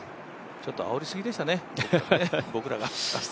ちょっとあおりすぎでしたね、僕らが。